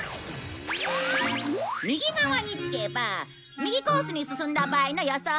右側につけば右コースに進んだ場合の予想が映る。